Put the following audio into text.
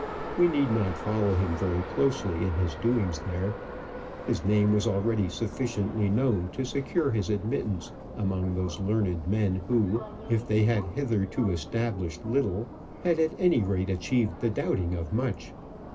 We need not follow him very closely in his doings there. His name was already sufficiently known to secure his admittance amongst those learned men who, if they had hitherto established little, had at any rate achieved the doubting of much.